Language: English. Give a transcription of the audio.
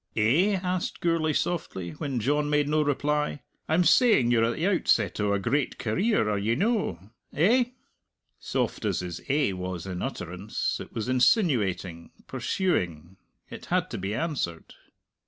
"Eh?" asked Gourlay softly, when John made no reply; "I'm saying you're at the outset o' a great career; are ye no? Eh?" Soft as his "Eh" was in utterance, it was insinuating, pursuing; it had to be answered.